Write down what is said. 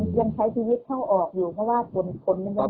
ค่ะอ๋อยังใช้ชีวิตเข้าออกอยู่เพราะว่าคนคนมันยัง